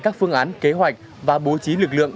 các phương án kế hoạch và bố trí lực lượng